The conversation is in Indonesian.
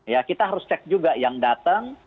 ya kita harus cek juga yang datang